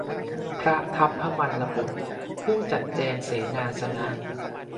พระทัพพมัลลบุตร ผู้จัดแจงเสนาสนะ